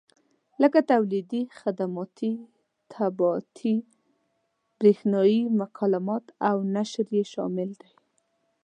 لکه تولیدي، خدماتي، طباعتي، برېښنایي مکالمات او نشر یې شامل دي.